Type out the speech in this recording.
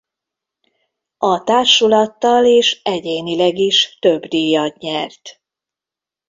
A társulattal és egyénileg is több díjat nyert.